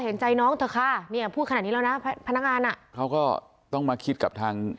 เห็นใจน้องเถอะค่ะเนี่ยพูดขนาดนี้แล้วนะพนักงานอ่ะเขาก็ต้องมาคิดกับทาง